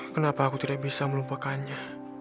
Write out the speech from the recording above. kenapa aku tidak bisa melupakannya